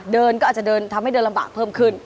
เดินก็อาจจะเดินทำให้เดินลำบากเพิ่มขึ้น